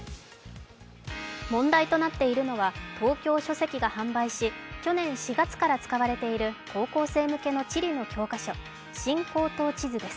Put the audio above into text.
問題となっているのは東京書籍が販売し去年４月から使われている高校生向けの地理の教科書、「新高等地図」です。